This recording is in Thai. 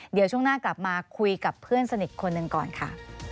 เดี๋ยวช่วงหน้ากลับมาคุยกับเพื่อนสนิทคนหนึ่งก่อนค่ะ